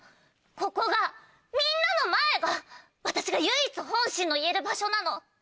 ここがみんなの前が私が唯一本心の言える場所なの。